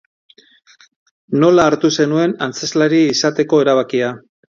Nola hartu zenuen antzezlari izateko erabakia?